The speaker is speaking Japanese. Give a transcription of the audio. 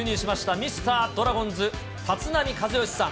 ミスタードラゴンズ、立浪和義さん。